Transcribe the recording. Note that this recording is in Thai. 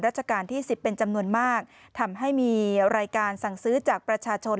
ราชการที่สิบเป็นจำนวนมากทำให้มีรายการสั่งซื้อจากประชาชน